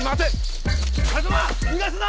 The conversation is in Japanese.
風真逃がすな！